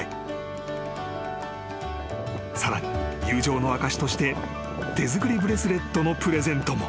［さらに友情の証しとして手作りブレスレットのプレゼントも］